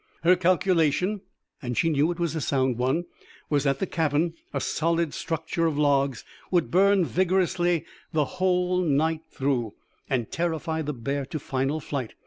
Her calculation and she knew it was a sound one was that the cabin, a solid structure of logs, would burn vigorously the whole night through, and terrify the bear to final flight.